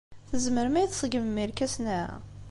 Tzemrem ad iyi-tṣeggmem irkasen-a?